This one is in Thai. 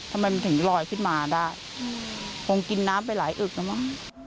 ทำไมมันถึงลอยขึ้นมาได้คงกินน้ำไปหลายอึกแล้วมั้ง